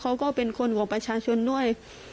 เขาก็เป็นคนของประชาชนด้วย